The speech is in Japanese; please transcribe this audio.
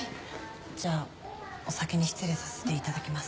じゃあお先に失礼させていただきます。